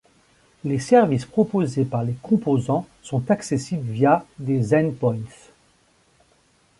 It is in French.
Les services proposés par les composants sont accessibles via des endpoints.